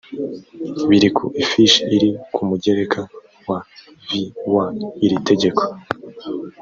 biri ku ifishi iri ku mugereka wa v w iri tegeko